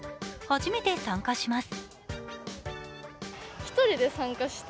初めて参加します。